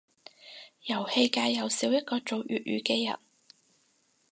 遊戲界又少一個做粵語嘅人